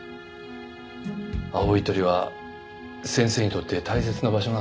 青い鳥は先生にとって大切な場所なんですね。